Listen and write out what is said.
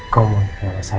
kamu mau menikah dengan saya